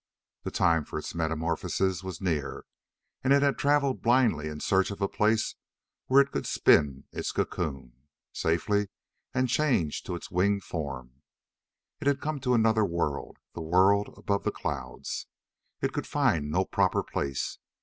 The time for its metamorphosis was near, and it had traveled blindly in search of a place where it could spin its cocoon safely and change to its winged form. It had come to another world, the world above the clouds. It could find no proper place.